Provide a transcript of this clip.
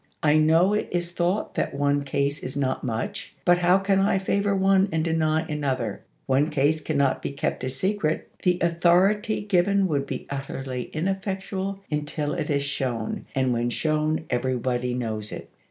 I know it is thought that one case is not much, but how can I favor one and deny another ? One case cannot be kept a secret. The authoritj^ given would be utterly ineffectual until it is shown, and when shown everybody knows of it.